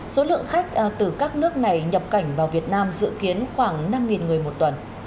số lượng khách từ các nước này nhập cảnh vào việt nam dự kiến khoảng năm người một tuần